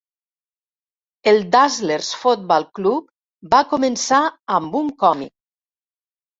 El Dazzlers Football Club va començar amb un còmic.